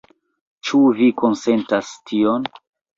Ĉu vi konsentas tion?